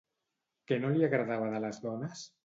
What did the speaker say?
Què no li agradava de les dones?